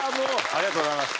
ありがとうございます。